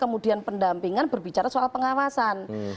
mendampingkan berbicara soal pengawasan